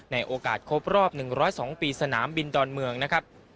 ในโอกาสครบรอบ๑๐๒ปีสนามบินดอนเมืองนะครับ